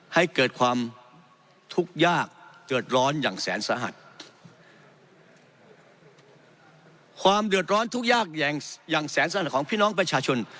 ให้เกิดความทุกข์ยากเดือดร้อนอย่างแสนสะหัส